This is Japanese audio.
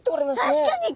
確かに。